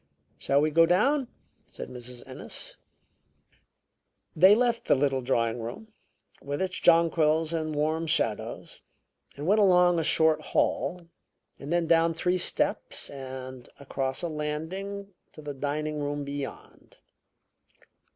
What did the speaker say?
"Shall we go down?" said Mrs. Ennis. They left the little drawing room, with its jonquils and warm shadows, and went along a short hall, and then down three steps and across a landing to the dining room beyond.